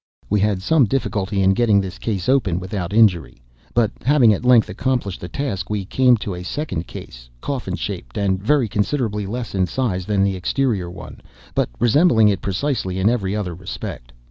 We had some difficulty in getting this case open without injury; but having at length accomplished the task, we came to a second, coffin shaped, and very considerably less in size than the exterior one, but resembling it precisely in every other respect.